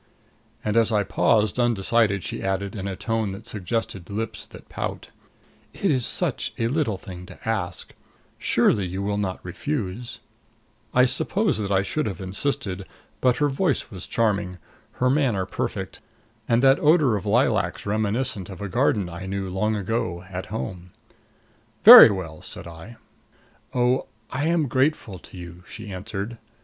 And as I paused, undecided, she added, in a tone which suggested lips that pout: "It is such a little thing to ask surely you will not refuse." I suppose I should have insisted. But her voice was charming, her manner perfect, and that odor of lilacs reminiscent of a garden I knew long ago, at home. "Very well," said I. "Oh I am grateful to you," she answered.